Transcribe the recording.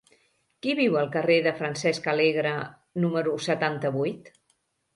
Qui viu al carrer de Francesc Alegre número setanta-vuit?